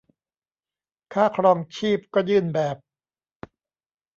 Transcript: ค่าครองชีพก็ยื่นแบบ